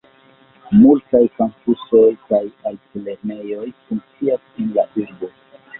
Multaj kampusoj kaj altlernejoj funkcias en la urbo.